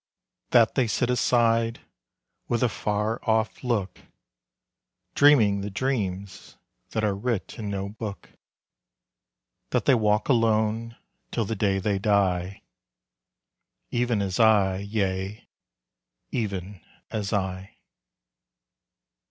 That they sit aside with a far off look Dreaming the dreams that are writ in no book! That they walk alone till the day they die, Even as I, yea, even as I!